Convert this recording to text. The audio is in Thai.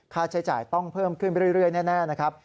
ค่าใช้จ่ายต้องเพิ่มขึ้นไปเรื่อยแน่นะครับ